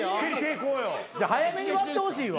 早めに割ってほしいわ。